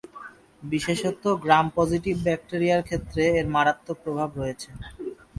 বিশেষত গ্রাম-পজিটিভ ব্যাকটেরিয়ার ক্ষেত্রে এর মারাত্মক প্রভাব আছে।